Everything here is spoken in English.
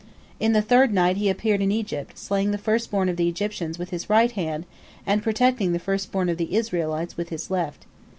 In the third night He appeared in Egypt, slaying the first born of the Egyptians with His right hand, and protecting the first born of the Israelites with His left.